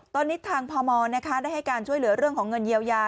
ทางพมได้ให้การเหลือเรื่องเงินเยียวยา